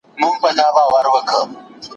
تعلیم به پهراتلونکي کي لا ښه سي.